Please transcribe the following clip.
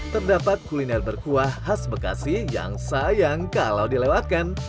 terdapat kuliner berkuah khas bekasi yang sayang kalau dilewatkan